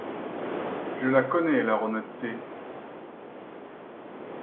Je la connais, leur honnêteté.